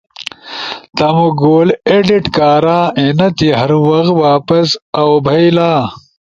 تمو گول ایڈیٹ کارا اینتی ہر وخ واپس او بھئیلا۔